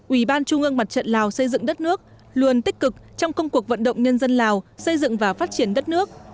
ủy ban trung ương mặt trận lào xây dựng đất nước luôn tích cực trong công cuộc vận động nhân dân lào xây dựng và phát triển đất nước